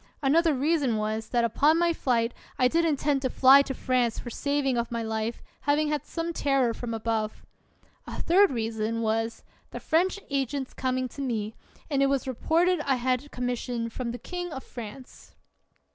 Another reason was, that upon my flight I did intend to fly to France for saving of my life, having had some terror from above. A third reason was, the French agent's coming to me, and it was reported I had com mission from the king of France.